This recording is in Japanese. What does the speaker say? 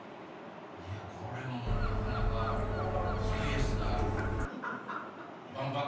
これもうなかなかスペースが。